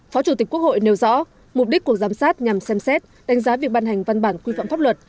phó chủ tịch quốc hội nêu rõ mục đích của giám sát nhằm xem xét đánh giá việc ban hành văn bản quy phạm pháp luật